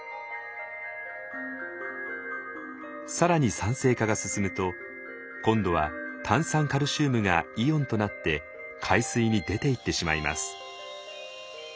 更に酸性化が進むと今度は炭酸カルシウムがイオンとなって海水に出ていってしまいます。